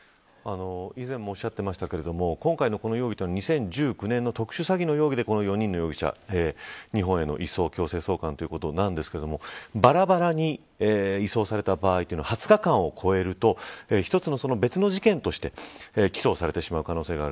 以前もおっしゃってましたけれども今回の容疑というのは２０１９年の特殊詐欺の容疑でこの４人の容疑者日本への強制送還ということなんですがばらばらに移送された場合は２０日間を超えると一つの別の事件として起訴されてしまう可能性がある。